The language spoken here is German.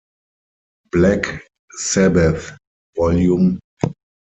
Black Sabbath Vol.